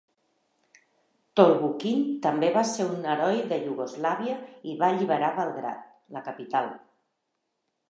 Tolbukhin també va ser un heroi d'Iugoslàvia i va alliberar Belgrad, la capital.